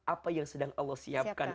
apa yang sedang allah siapkan